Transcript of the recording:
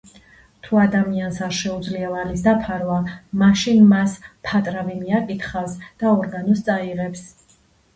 თუ ადამიანს არ შეუძლია ვალის დაფარვა, მაშინ მას მფატრავი მიაკითხავს და ორგანოს წაიღებს.